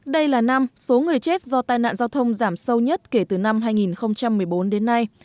đây là năm số người chết do tai nạn giao thông giảm sâu nhất kể từ năm hai nghìn một mươi bốn đến nay